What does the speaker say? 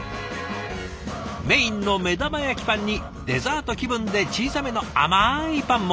メインの目玉焼きパンにデザート気分で小さめの甘いパンも。